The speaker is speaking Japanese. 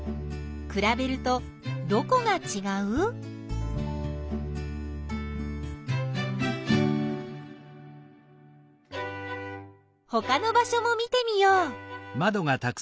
くらべるとどこがちがう？ほかの場しょも見てみよう！